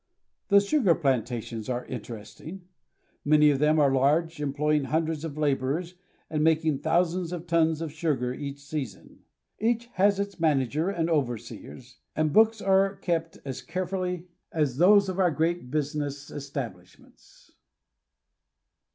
The sugar plantations are interesting. Many of them are large, employing hundreds of laborers and making thousands of tons of sugar each season. Each has its manager and overseers, and its books are kept as carefully as those of our great business establishments.